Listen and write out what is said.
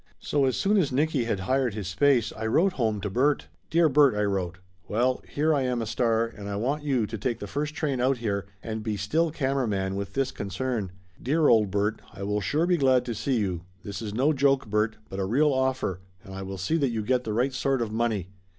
So as soon as Nicky had hired his space I wrote home to Bert. "Dear Bert," I wrote. "Well, here I am a star, and I want you to take the first train out here and be still camera man with this concern. Dear old Bert, I will sure be glad to see you, this is no joke, Bert, but a real offer and I will see that you get the right sort of money.